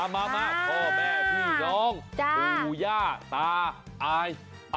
มาพ่อแม่พี่น้องปู่ย่าตาอาย